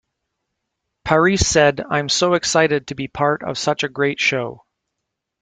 Parisse said, I'm so excited to be a part of such a great show.